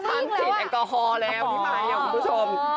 ขั้นผิดแอกลอฮอล์แล้วที่มาย่อยมะคุณผู้ชม